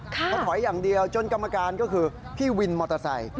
เขาถอยอย่างเดียวจนกรรมการก็คือพี่วินมอเตอร์ไซค์